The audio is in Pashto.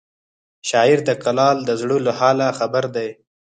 شاعر د کلال د زړه له حاله خبر دی